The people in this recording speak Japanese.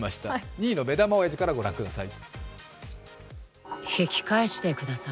２位の目玉おやじからご覧ください。